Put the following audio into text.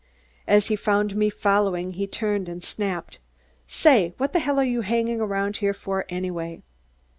As he found me following, he turned and snapped: "Say, what the hell are you hangin' around here for, anyway?"